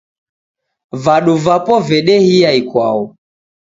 Vadu vapo vedehia ikwau.